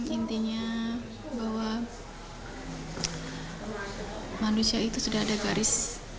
intinya bahwa manusia itu sudah ada garis